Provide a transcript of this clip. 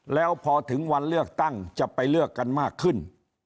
แล้วพอถึงวันเลือกตั้งจะไปเลือกกันมากขึ้น